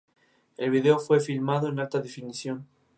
Opeth posee voces limpias y las típicas del death metal en su música.